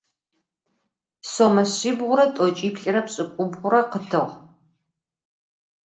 Сомэ шъибгъурэ тlокlиплlрэ пшlыкlубгъурэ къытыгъ